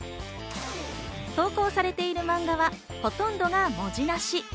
投稿されているマンガはほとんどが文字なし。